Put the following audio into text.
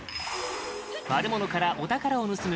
悪者からお宝を盗む